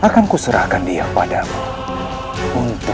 kau akan berhenti